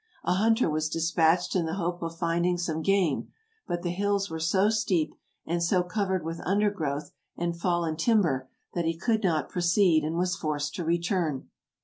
A hunter was dispatched in the hope of finding some game but the hills were so steep, and so covered with undergrowth and fallen timber, that he could not proceed, and was forced to return.